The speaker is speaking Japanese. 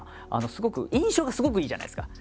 すごく印象がすごくいいじゃないですか。